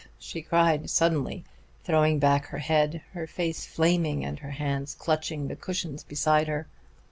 she cried, suddenly throwing back her head, her face flaming and her hands clutching the cushions beside her.